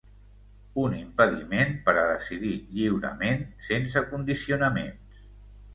Un impediment per a decidir lliurement, sense condicionaments.